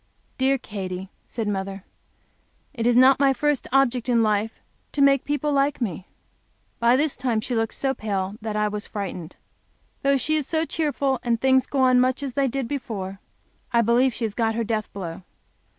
"Dear Katy," said mother, "it is not my first object in life to make people like me." By this time she looked so pale that I was frightened. Though she is so cheerful, and things go on much as they did before, I believe she has got her death blow.